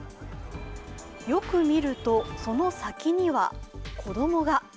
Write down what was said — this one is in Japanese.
よく見ると、その先には子供が。